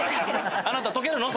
あなた溶けるの？